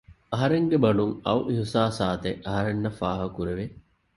އަހަރެންގެ ބަނޑުން އައު އިޙްސާސާތެއް އަހަރެންނަށް ފާހަގަ ކުރެވެ